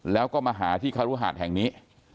แล้วก็มาหาที่คารุหาดแห่งนี้